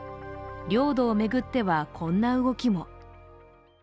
領土を巡っては、こんな動きも。